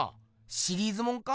シリーズもんか？